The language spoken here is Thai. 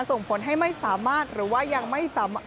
ส่งผลให้ไม่สามารถหรือว่ายังไม่สามารถ